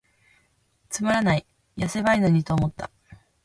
つまらない、癈せばいゝのにと思つた。